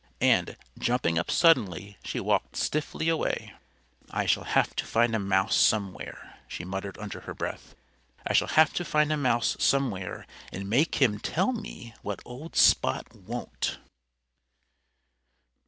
And, jumping up suddenly, she walked stiffly away. "I shall have to find a mouse somewhere," she muttered under her breath. "I shall have to find a mouse somewhere and make him tell me what old Spot won't."